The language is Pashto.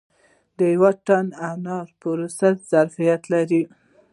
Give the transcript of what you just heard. د یو ټن انارو د پروسس ظرفیت لري